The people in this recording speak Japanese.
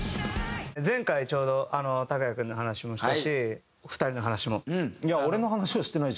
前回ちょうどＴＡＫＵＹＡ∞君の話もしたし２人の話も。